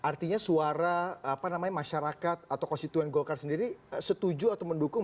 artinya suara masyarakat atau konstituen golkar sendiri setuju atau mendukung